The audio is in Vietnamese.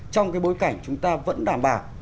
trong cái bối cảnh chúng ta vẫn đảm bảo